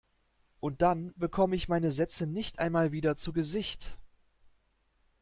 Und dann bekomme ich meine Sätze nicht einmal wieder zu Gesicht!